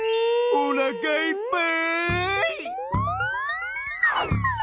おなかいっぱい！